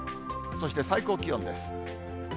そして最高気温です。